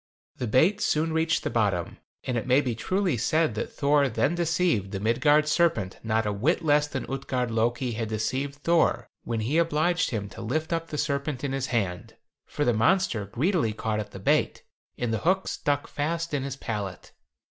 The bait soon reached the bottom, and it may be truly said that Thor then deceived the Midgard serpent not a whit less than Utgard Loki had deceived Thor when he obliged him to lift up the serpent in his hand: for the monster greedily caught at the bait, and the hook stuck fast in his palate.